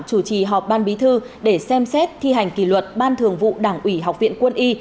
chủ trì họp ban bí thư để xem xét thi hành kỷ luật ban thường vụ đảng ủy học viện quân y